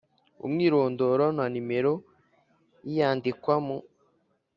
Umwirondoro na nimero y iyandikwa mu